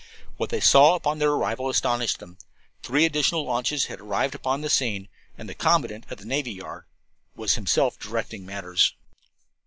What they saw upon their arrival astounded them. Three additional launches had arrived upon the scene, and the commandant of the navy yard was himself directing matters.